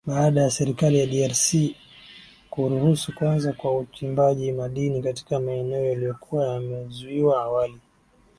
baada serikali ya drc kuruhusu kuanza kwa uchimbaji madini katika maeneo yaliokuwa yamezuiwa awali